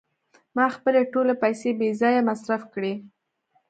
ما خپلې ټولې پیسې بې ځایه مصرف کړې.